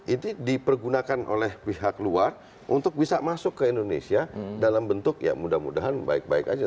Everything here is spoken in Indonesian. itu dipergunakan oleh pihak luar untuk bisa masuk ke indonesia dalam bentuk ya mudah mudahan baik baik aja